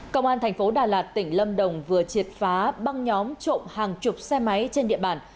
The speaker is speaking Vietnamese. công an thành phố đà lạt tỉnh lâm đồng vừa triệt phá băng nhóm trộm hàng chục xe máy trên địa bàn